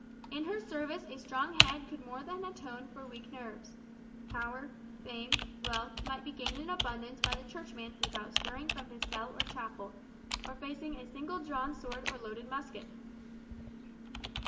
In her service a strong head could more than atone for weak nerves. Power, fame, wealth, might be gained in abundance by the Churchman without stirring from his cell or chapel, or facing a single drawn sword or loaded musket.